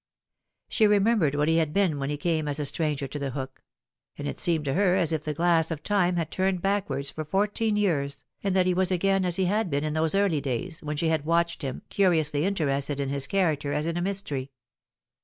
She remembered what he had been when he came as a stranger to The Hook ; and it seemed to her as if the glass of Time had been turned backwards for fourteen years, and that he was again just as he had been in those early days, when she had watched him, curiously interested in his character as in a mys tery.